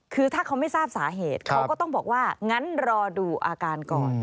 คือถ้าเขาไม่ทราบสาเหตุเขาก็ต้องบอกว่างั้นรอดูอาการก่อน